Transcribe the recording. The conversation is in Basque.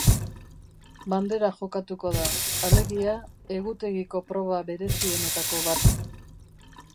Bandera jokatuko da, alegia, egutegiko proba berezienetako bat.